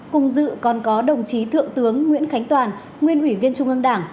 cùng dự còn có đồng chí thượng tướng nguyễn khánh toàn nguyên ủy viên trung ương đảng